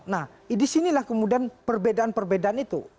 nah di sinilah kemudian perbedaan perbedaan itu